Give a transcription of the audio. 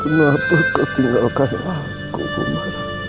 kenapa kau tinggalkan aku kumbara